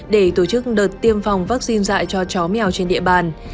để tổ chức đợt tiêm phòng vaccine dạy cho chó mèo trên địa bàn